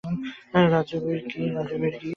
রাজবীর - কি?